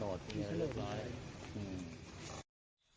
เอาเป็นว่าอ้าวแล้วท่านรู้จักแม่ชีที่ห่มผ้าสีแดงไหม